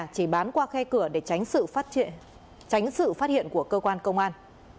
chỉ bán qua khe cửa để tránh sự phát hiện của cơ quan công an